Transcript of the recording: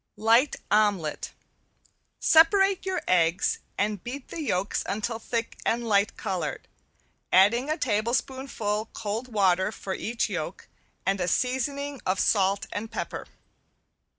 ~LIGHT OMELET~ Separate your eggs and beat the yolks until thick and light colored, adding a tablespoonful cold water for each yolk and a seasoning of salt and pepper.